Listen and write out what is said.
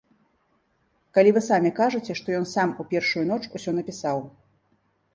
Калі вы самі кажаце, што ён сам у першую ноч усё напісаў?